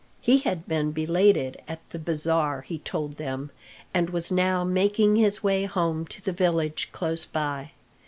He had been belated at the bazaar, he told them, and was now making his way home to the village close by.